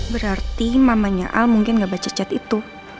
berarti mamanya al mungkin gak baca cat itu